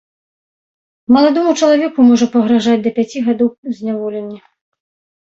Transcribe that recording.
Маладому чалавеку можа пагражаць да пяці гадоў зняволення.